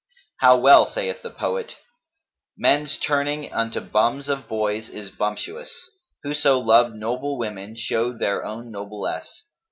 How well saith the poet, 'Men's turning unto bums of boys is bumptious; * Whoso love noble women show their own noblesse.